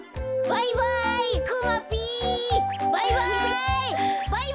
バイバイ！